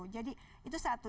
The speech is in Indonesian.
jadi itu satu